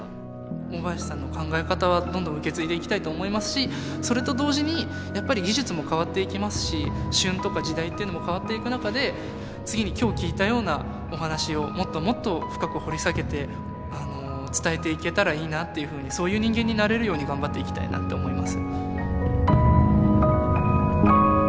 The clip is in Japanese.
大林さんの考え方は受け継いでいきたいと思いますしそれと同時にやっぱり技術も変わっていきますし旬とか時代っていうのも変わっていく中で次に今日聞いたようなお話をもっともっと深く掘り下げて伝えていけたらいいなっていうふうにそういう人間になれるように頑張っていきたいなって思います。